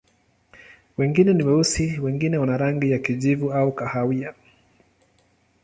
Wengine ni weusi, wengine wana rangi ya kijivu au kahawia.